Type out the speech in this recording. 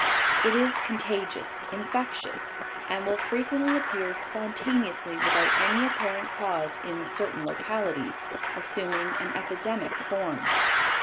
It is contagious, infectious, and will frequently appear spontaneously without any apparent cause in certain localities, assuming an epidemic form.